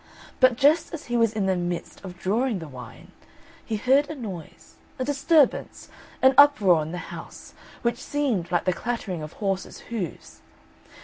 But just as he was in the midst of drawing the wine, he heard a noise, a disturbance, an uproar in the house, which seemed like the clattering of horses' hoofs.